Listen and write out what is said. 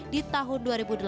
di tahun dua ribu delapan belas